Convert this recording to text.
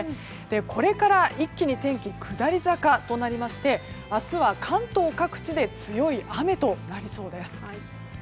これから一気に天気下り坂となりまして明日は関東各地で強い雨となりそうです。